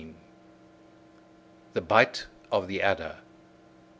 THE BITE OF THE ADDER.